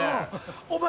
お前。